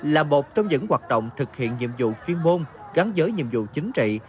là một trong những hoạt động thực hiện nhiệm vụ chuyên môn gắn với nhiệm vụ chính trị